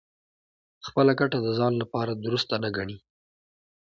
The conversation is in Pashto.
خپله ګټه د ځان لپاره دُرسته نه ګڼي.